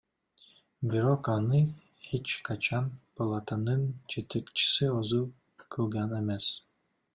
Бирок аны эч качан палатанын жетекчиси өзү кылган эмес.